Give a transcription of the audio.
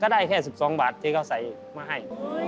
ได้แค่๑๒บาทที่เขาใส่มาให้